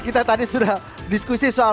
kita tadi sudah diskusi soal